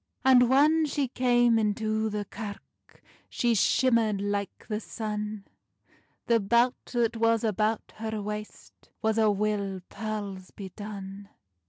And whan she cam into the kirk, She shimmerd like the sun; The belt that was about her waist Was a' wi pearles bedone.